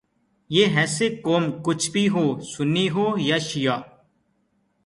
من حیثء قوم کچھ بھی ہو، سنی ہو یا شعیہ